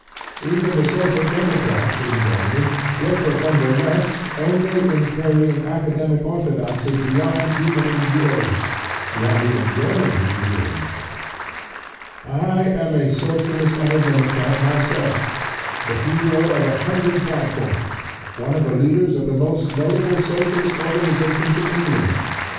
Even the Social Democrats in Germany differ from the rest only in carrying academic orthodoxy beyond human endurance beyond even German endurance. I am a Socialist and a Democrat myself, the hero of a hundred platforms, one of the leaders of the most notable Socialist organizations in England.